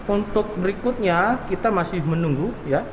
untuk berikutnya kita masih menunggu